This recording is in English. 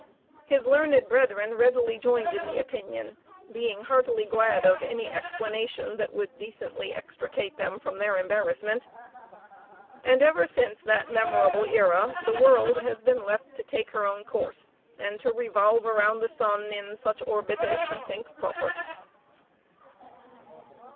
His learned brethren readily joined in the opinion, being heartily glad of any explanation that would decently extricate them from their embarrassment; and ever since that memorable era the world has been left to take her own course, and to revolve around the sun in such orbit as she thinks proper.